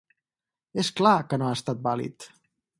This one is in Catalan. És clar que no ha estat vàlid.